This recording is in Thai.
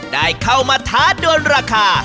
ได้เข้ามาท้าดวนราคา